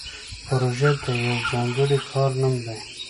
پروژه د یو ځانګړي کار نوم دی